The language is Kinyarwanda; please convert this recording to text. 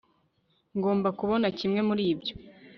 ngomba kubona kimwe muri ibyo